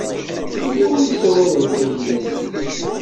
Yella wi ssawalen Tanglizit?